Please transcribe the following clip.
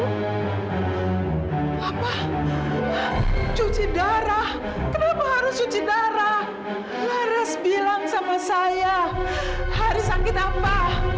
apa cuci darah kenapa harus cuci darah harus bilang sama saya harus sakit apa